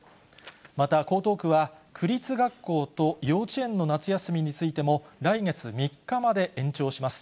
また、江東区は区立学校と幼稚園の夏休みについても、来月３日まで延長します。